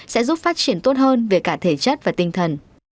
sẽ giúp phát triển tốt hơn về cả thể chất và tinh thần